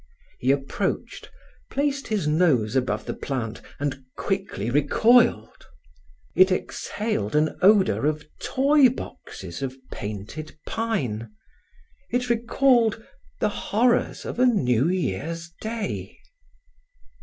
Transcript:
He approached, placed his nose above the plant and quickly recoiled. It exhaled an odor of toy boxes of painted pine; it recalled the horrors of a New Year's Day.